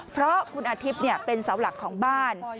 เพราะคุณอธิบษ์เป็นเศร้าหลักของบ้าน